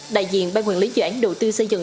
đại diện ban quản lý dự án đầu tư xây dựng